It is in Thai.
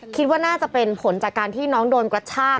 คิดว่าน่าจะเป็นผลจากการที่น้องโดนกระชาก